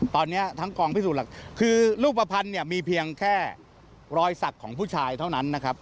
ตอนนี้ทั้งกองพิสูจน์หลักคือรูปภัณฑ์เนี่ยมีเพียงแค่รอยสักของผู้ชายเท่านั้นนะครับ